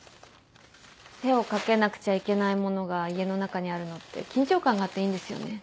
手をかけなくちゃいけないものが家の中にあるのって緊張感があっていいんですよね。